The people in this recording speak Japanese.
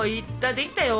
できたよ。